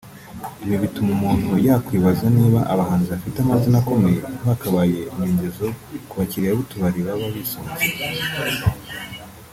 Ibi bituma umuntu yakwibaza niba abahanzi bafite amazina akomeye bakabaye inyongezo ku bakiriya b’utubari baba bisohokeye